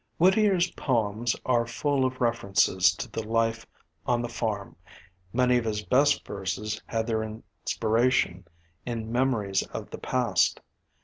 Whittier's poems are full of references to the life on the farm; many of his best verses had their inspiration in memories of the past.